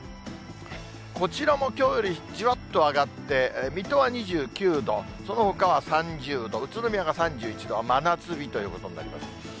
こちらもきょうよりじわっと上がって水戸は２９度、そのほかは３０度、宇都宮が３１度、真夏日ということになります。